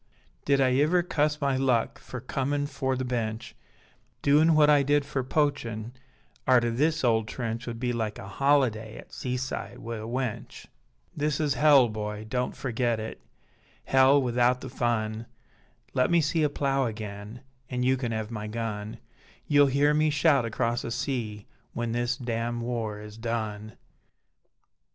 Did I iver cuss my luck Fer comin' fore the Bench; Doin what I did fer poachin, Arter this ole trench Would be like a holiday At seaside wi' a wench. This is Hell, boy, don't ferget it, Hell wi'out the fun, Let me see a plough agen An you can ev my gun; You'll hear me shout across the sea When this damn war is done.